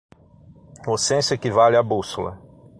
O censo equivale à bússola